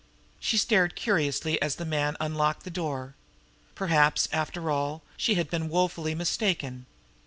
She stared curiously as the man unlocked the door. Perhaps, after all, she had been woefully mistaken.